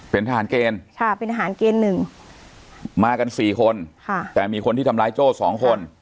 เป็นทหารเกณฑ์ค่ะเป็นทหารเกณฑ์หนึ่งมากันสี่คนค่ะแต่มีคนที่ทำร้ายโจ้สองคน